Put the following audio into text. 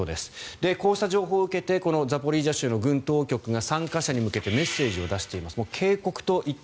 この情報を受けてザポリージャの軍当局が参加者に向けてメッセージを出しています。